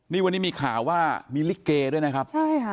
นี่วันนี้มีข่าวว่ามีลิเกด้วยนะครับใช่ค่ะ